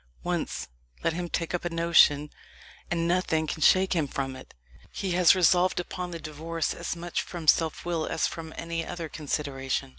Once let him take up a notion, and nothing can shake him from it. He has resolved upon the divorce as much from self will as from any other consideration.